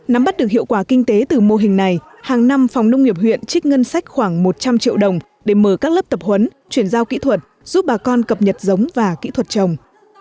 nắm bắt được hiệu quả kinh tế từ mô hình này hàng năm phòng nông nghiệp huyện trích ngân sách khoảng một trăm linh triệu đồng để mở các lớp tập huấn chuyển giao kỹ thuật giúp bà con cập nhật giống và kỹ thuật trồng